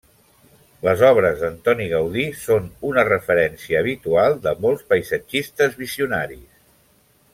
Les obres d'Antoni Gaudí són una referència habitual de molts paisatgistes visionaris.